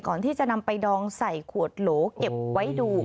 ก่อนที่จะนำไปดองใส่ขวดโหลเก็บไว้ดู